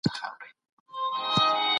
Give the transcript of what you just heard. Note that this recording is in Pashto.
هر ډول ژوند خپل ارزښت لري.